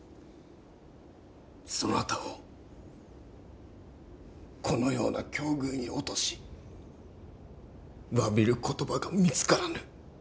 そなたをこのような境遇に落とし詫びる言葉が見つからぬ。